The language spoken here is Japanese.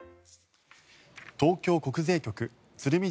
東京国税局鶴見